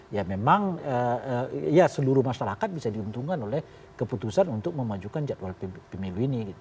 ya memang ya seluruh masyarakat bisa diuntungkan oleh keputusan untuk memajukan jadwal pemilu ini